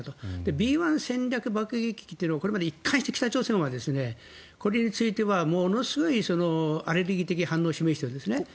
Ｂ１Ｂ戦略爆撃機というのはこれまで一貫して北朝鮮はこれについてはものすごいアレルギー的反応を示しているんですね。